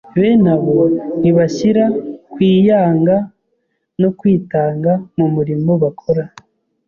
bene abo ntibashyira kwiyanga no kwitanga mu murimo bakora.